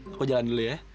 aku jalan dulu ya